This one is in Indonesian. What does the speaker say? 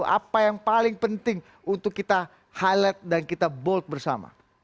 apa yang paling penting untuk kita highlight dan kita bold bersama